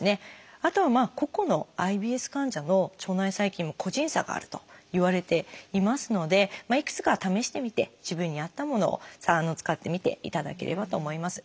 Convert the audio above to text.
あとは個々のＩＢＳ患者の腸内細菌も個人差があるといわれていますのでいくつか試してみて自分に合ったものを使ってみていただければと思います。